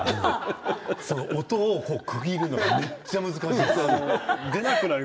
音を区切るのがめっちゃ難しい。